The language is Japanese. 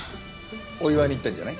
お祝いに行ったんじゃない？